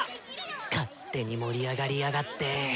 勝手に盛り上がりやがって！